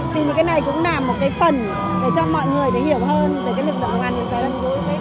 thì những cái này cũng làm một cái phần để cho mọi người hiểu hơn về lực lượng công an nhân dân